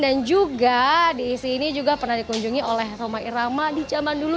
dan juga di sini juga pernah dikunjungi oleh roma irama di zaman dulu